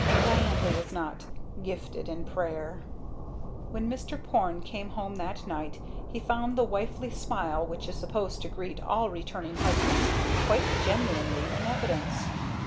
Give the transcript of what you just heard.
Diantha was not "gifted in prayer." When Mr. Porne came home that night he found the wifely smile which is supposed to greet all returning husbands quite genuinely in evidence.